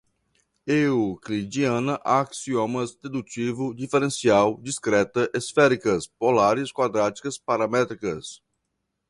euclidiana, axiomas, dedutivo, diferencial, discreta, esféricas, polares, quadráticas, paramétricas